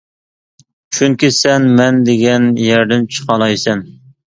چۈنكى سەن مەن دېگەن يەردىن چىقالايسەن.